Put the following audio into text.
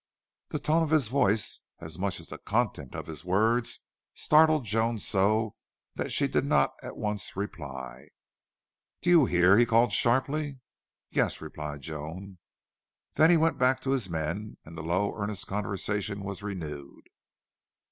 The tone of his voice as much as the content of his words startled Joan so that she did not at once reply. "Do you hear?" he called, sharply. "Yes," replied Joan. Then he went back to his men, and the low, earnest conversation was renewed.